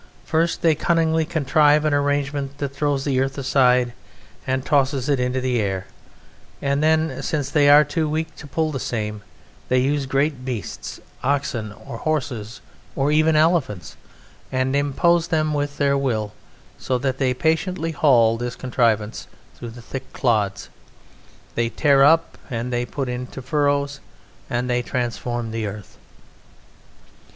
First they cunningly contrive an arrangement that throws the earth aside and tosses it to the air, and then, since they are too weak to pull the same, they use great beasts, oxen or horses or even elephants, and impose them with their will, so that they patiently haul this contrivance through the thick clods; they tear up and they put into furrows, and they transform the earth.